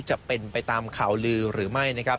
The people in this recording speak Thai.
จะเป็นไปตามข่าวลือหรือไม่นะครับ